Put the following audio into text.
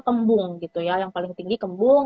kembung yang paling tinggi kembung